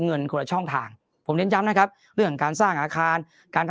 เงินคนละช่องทางผมเน้นย้ำนะครับเรื่องการสร้างอาคารการ